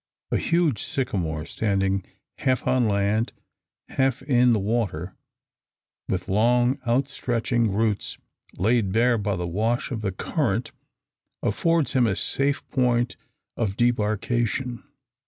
A huge sycamore, standing half on land, half in the water, with long outstretching roots laid bare by the wash of the current, affords him a safe point of debarkation.